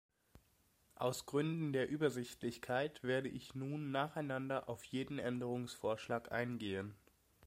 Aus Gründen der Übersichtlichkeit werde ich nun nacheinander auf jeden Änderungsvorschlag eingehen.